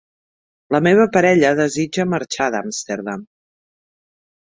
La meva parella desitja marxar d'Amsterdam.